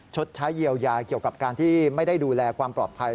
ชดใช้เยียวยาเกี่ยวกับการที่ไม่ได้ดูแลความปลอดภัย